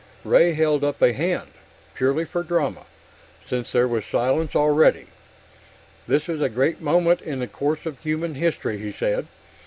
Ray held up a hand purely for drama, since there was silence already. "This is a great moment in the course of human history," he said.